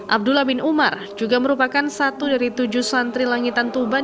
abdullah bin umar juga merupakan satu dari tujuh santri langitan tuban